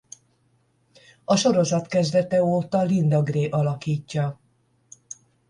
A sorozat kezdete óta Linda Gray alakítja.